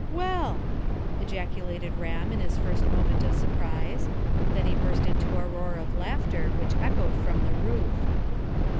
"Well!" ejaculated Ram in his first moment of surprise. Then he burst into a roar of laughter which echoed from the roof.